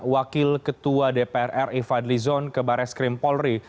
wakil ketua dpr ri fadli zon ke bares krim polri